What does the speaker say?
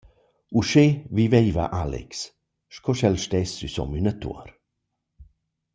Uschè vivaiva Alex, sco sch’el stess süsom üna tuor.